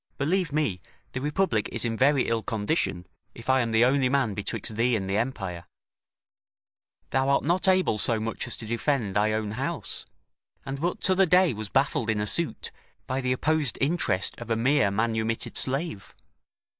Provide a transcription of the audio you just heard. Believe me, the Republic is in very ill condition, if I am the only man betwixt thee and the empire. Thou art not able so much as to defend thy own house, and but t'other day was baffled in a suit, by the opposed interest of a mere manumitted slave.